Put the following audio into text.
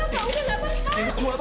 dewi gak apa apa